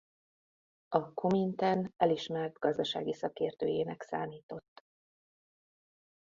A Komintern elismert gazdasági szakértőjének számított.